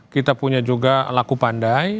kita punya juga laku pandai